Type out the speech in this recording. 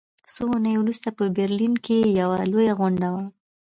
څو اونۍ وروسته په برلین کې یوه لویه غونډه وه